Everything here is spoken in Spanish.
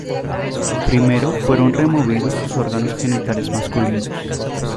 Primero fueron removidos sus órganos genitales masculinos.